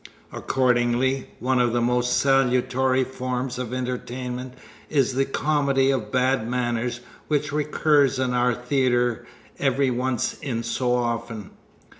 Accordingly, one of the most salutary forms of entertainment is the comedy of bad manners which recurs in our theater every once in so often.